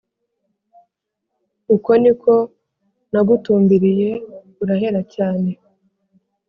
uko niko nagutumbiriye urahera cyane